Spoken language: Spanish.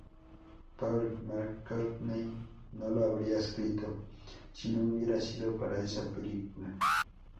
Paul McCartney no la habría escrito si no hubiera sido para esa película.